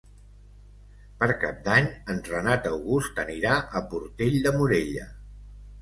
Per Cap d'Any en Renat August anirà a Portell de Morella.